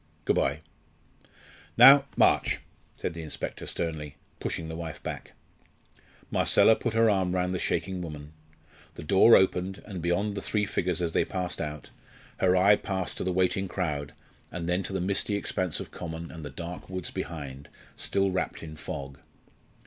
Good bye." "Now, march," said the inspector, sternly, pushing the wife back. Marcella put her arm round the shaking woman. The door opened; and beyond the three figures as they passed out, her eye passed to the waiting crowd, then to the misty expanse of common and the dark woods behind, still wrapped in fog.